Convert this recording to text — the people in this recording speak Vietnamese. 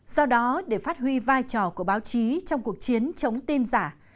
do đó để phát huy vai trò của báo chí trong cuộc chiến chống tin giả